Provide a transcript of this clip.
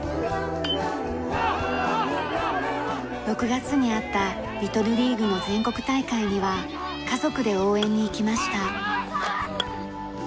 ６月にあったリトルリーグの全国大会には家族で応援に行きました。